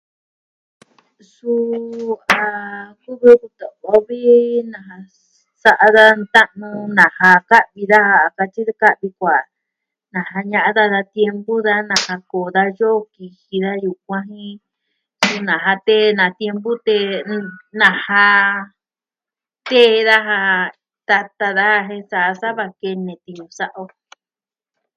Suu a kuvi o kutu'va o vi... a sa'a da ta'nu, nasa ka'vi daja ka'vi, kuaa nasa ne'ya daja da tiempu, daa nasa koo da yoo kiji, da yukuan jen, suu nasa tee na tiempu tee nasa... tee daja, tata daja jen sa va kene tiñu sa'a o.